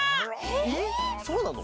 えっそうなの？